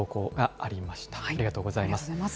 ありがとうございます。